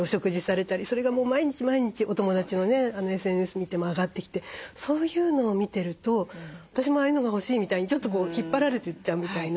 それが毎日毎日お友達のねＳＮＳ見ても上がってきてそういうのを見てると私もああいうのが欲しいみたいにちょっと引っ張られていっちゃうみたいな。